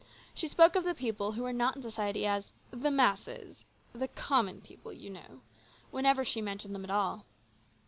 She spoke of the people who were not in society as " the masses," the " common people, you know," whenever she mentioned them at all.